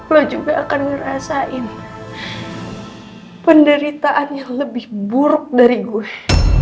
lo juga akan ngerasain penderitaan yang lebih buruk dari gue